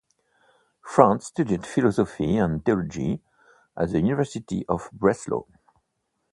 Franz studied philosophy and theology at the University of Breslau.